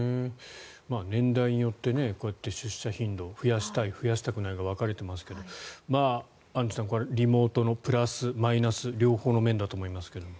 年代によってこうやって出社頻度を増やしたい、増やしたくないが分かれていますけどアンジュさん、これはリモートのプラス、マイナス両方の面だと思いますが。